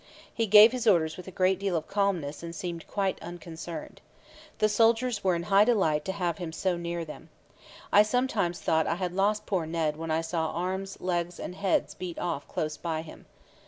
He gave his orders with a great deal of calmness and seemed quite unconcerned. The soldiers were in high delight to have him so near them. I sometimes thought I had lost poor Ned when I saw arms, legs, and heads beat off close by him.